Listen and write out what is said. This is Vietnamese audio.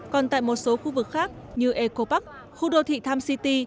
còn tại một số khu vực khác như eco park khu đô thị times city